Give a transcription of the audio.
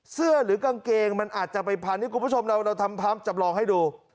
เสื้อหรือกางเกงมันอาจจะไปผ่านนี่คุณผู้ชมเราทำพร้อมจับรองให้ดู